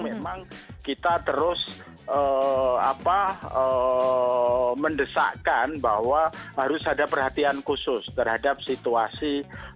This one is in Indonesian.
memang kita terus mendesakkan bahwa harus ada perhatian khusus terhadap situasi